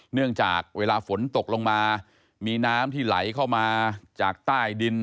เนื่องจากเวลาฝนตกลงมามีน้ำที่ไหลเข้ามาจากใต้ดิน